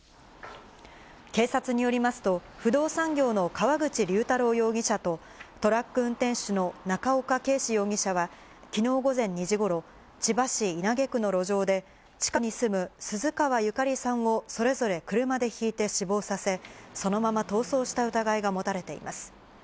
警察によりますと、不動産業の川口龍太郎容疑者と、トラック運転手の中岡敬志容疑者は、きのう午前２時ごろ、千葉市稲毛区の路上で、近くに住む鈴川ゆかりさんをそれぞれ車でひいて死亡させ、そのまま逃走した疑いが持たれています。